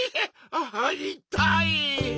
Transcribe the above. ああいたい！